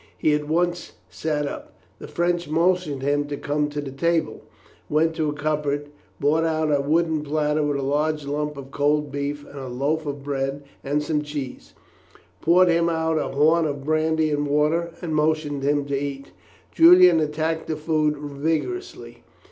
He at once sat up. The Frenchman motioned him to come to the table, went to a cupboard, brought out a wooden platter with a large lump of cold beef and a loaf of bread and some cheese, poured him out a horn of brandy and water, and motioned him to eat. Julian attacked the food vigorously.